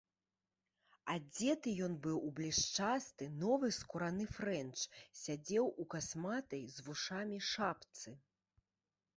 Адзеты ён быў у блішчасты, новы скураны фрэнч, сядзеў у касматай, з вушамі, шапцы.